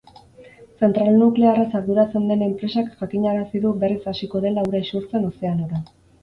Zentral nuklearraz arduratzen den enpresak jakinarazi du berriz hasiko dela ura isurtzen ozeanora.